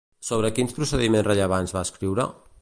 Sobre quins procediments rellevants va escriure?